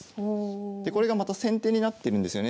でこれがまた先手になってるんですよね。